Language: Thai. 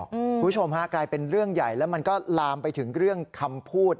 คุณผู้ชมฮะกลายเป็นเรื่องใหญ่แล้วมันก็ลามไปถึงเรื่องคำพูด